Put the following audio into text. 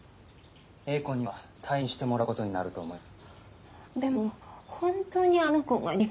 瑛子には退任してもらうことになると思います。